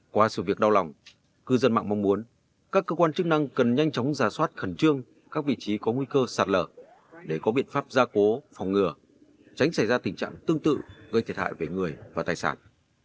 qua sự việc đau lòng cư dân mạng mong muốn các cơ quan chức năng cần nhanh chóng giả soát khẩn trương các vị trí có nguy cơ sạt lở để có biện pháp gia cố phòng ngừa tránh xảy ra tình trạng tương tự gây thiệt hại về người và tài sản